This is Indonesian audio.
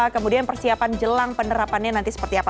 kemudian persiapan jelang penerapannya nanti seperti apa